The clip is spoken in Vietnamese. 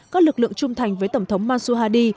các lực lượng trung thành với tổng thống mansour hadi